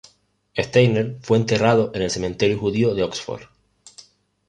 Steiner fue enterrado en el Cementerio Judío de Oxford.